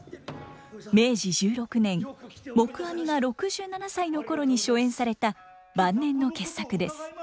明治１６年黙阿弥が６７歳の頃に初演された晩年の傑作です。